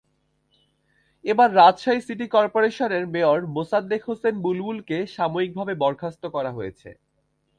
এবার রাজশাহী সিটি করপোরেশনের মেয়র মোসাদ্দেক হোসেন বুলবুলকে সাময়িকভাবে বরখাস্ত করা হয়েছে।